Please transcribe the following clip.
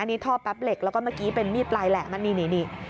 นี่ท่อแป๊บเหล็กแล้วก็เมื่อกี้เป็นมีดปลายแหลมนี่